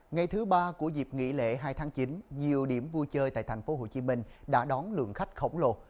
ngày thứ ba của dịp nghỉ lễ hai tháng chín nhiều điểm vui chơi tại tp hcm đã đón lượng khách khổng lồ